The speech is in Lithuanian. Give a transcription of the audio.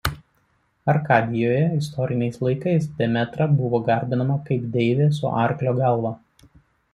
Arkadijoje istoriniais laikais Demetra buvo garbinama kaip deivė su arklio galva.